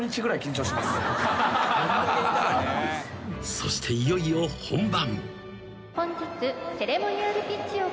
［そしていよいよ本番］